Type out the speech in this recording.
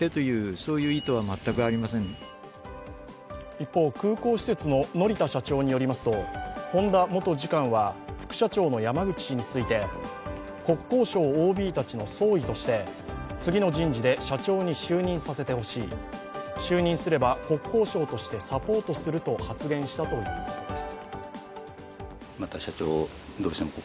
一方、空港施設の乗田社長によりますと本田元次官は、副社長の山口氏について国交省ＯＢたちの総意として次の人事で社長に就任させてほしい、就任すれば国交省としてサポートすると発言したということです。